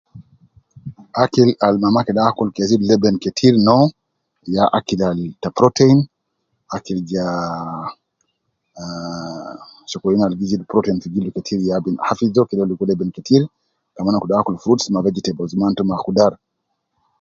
Akil al mama kede akul ke zidu leben ketir no, ya akil al ta protein, akil jaa, ahhh sokolin al gi jib protein fi gildu ketir ya min akil, azol kede ligo leben ketir, kaman kede uwo akul fruits ma vegetables, man to ma kudar